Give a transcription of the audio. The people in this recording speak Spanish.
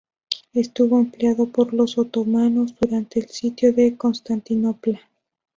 Estuvo empleado por los otomanos durante el sitio de Constantinopla.